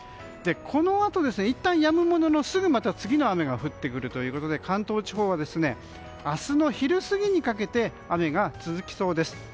このあと、いったんやむもののすぐ、また次の雨が降ってくるということで関東地方は明日の昼過ぎにかけて雨が続きそうです。